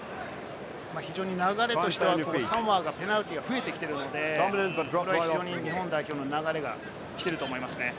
非常に流れとしてはサモアがペナルティーが増えてきているので、非常に日本代表に流れが来ていると思いますね。